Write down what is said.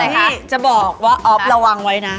พี่จะบอกว่าอ๊อฟระวังไว้นะ